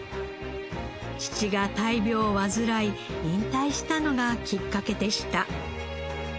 父が大病を患い引退したのがきっかけでした。